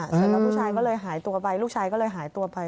แล้วผู้ชายก็เลยหายตัวไปลูกชายก็เลยหายตัวไป